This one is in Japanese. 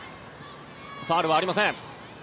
ファウルはありません。